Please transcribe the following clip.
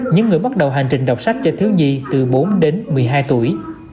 những người bắt đầu hành trình đọc sách cho thiếu nhi từ bốn đến một mươi hai tuổi